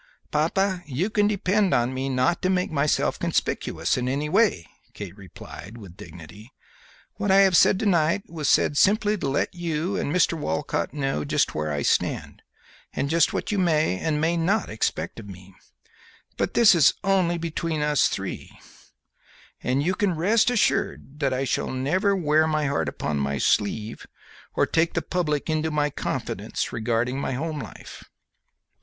"Papa, you can depend on me not to make myself conspicuous in any way," Kate replied, with dignity. "What I have said to night was said simply to let you and Mr. Walcott know just where I stand, and just what you may, and may not, expect of me; but this is only between us three, and you can rest assured that I shall never wear my heart upon my sleeve or take the public into my confidence regarding my home life."